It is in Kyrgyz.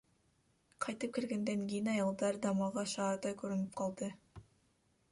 Кайтып келгенден кийин айылдар да мага шаардай көрүнүп калды.